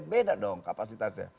beda dong kapasitasnya